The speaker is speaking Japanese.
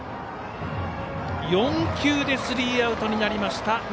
４球でスリーアウトになりました